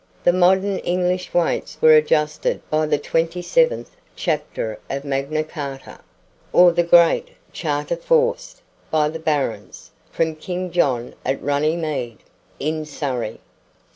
The modern English weights were adjusted by the 27th chapter of Magna Charta, or the great charter forced, by the barons, from King John at Runnymede, in Surrey.